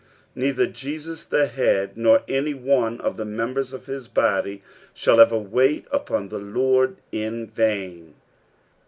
Neither Jesus the head, nor anj one of the members of his bodj', shall ever wait upon the Lord in vain.